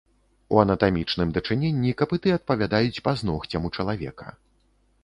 У анатамічным дачыненні капыты адпавядаюць пазногцям у чалавека.